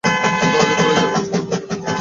দরজা খুলে যাবে কিছুক্ষণ পরেই।